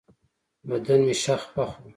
بدن مې شخ پخ و.